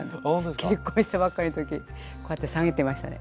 結婚したばっかりの時こうやって下げてましたね。